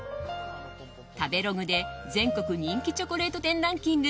食べログで全国人気チョコレート店ランキング